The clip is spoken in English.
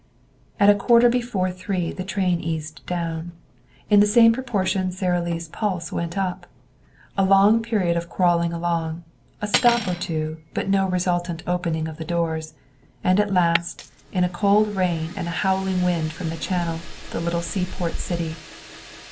At a quarter before three the train eased down. In the same proportion Sara Lee's pulse went up. A long period of crawling along, a stop or two, but no resultant opening of the doors; and at last, in a cold rain and a howling wind from the channel, the little seaport city.